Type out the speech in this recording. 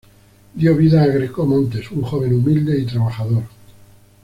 Dio vida a Greco Montes un joven humilde y trabajador.